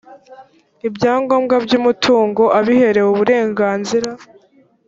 ibyangombwa by’umutungo abiherewe uburenganzira